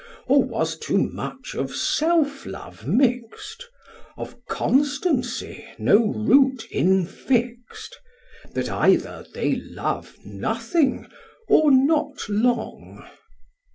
1030 Or was too much of self love mixt, Of constancy no root infixt, That either they love nothing, or not long?